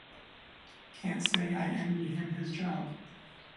Can't say I envy him his job.